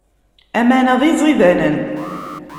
Aman-a d iẓidanen.